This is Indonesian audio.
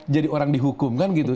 jadi orang dihukum kan gitu